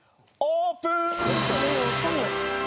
ちょっとでもわかんない。